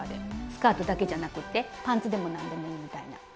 スカートだけじゃなくってパンツでも何でもいいみたいな。